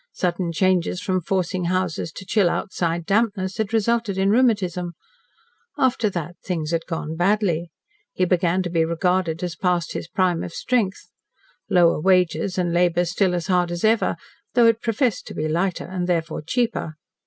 Sudden changes from forcing houses to chill outside dampness had resulted in rheumatism. After that things had gone badly. He began to be regarded as past his prime of strength. Lower wages and labour still as hard as ever, though it professed to be lighter, and therefore cheaper.